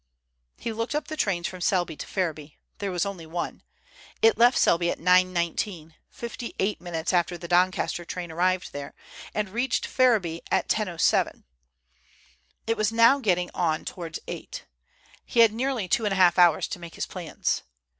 He looked up the trains from Selby to Ferriby. There was only one. It left Selby at 9.19, fifty eight minutes after the Doncaster train arrived there, and reached Ferriby at 10.7. It was now getting on towards eight. He had nearly two and a half hours to make his plans.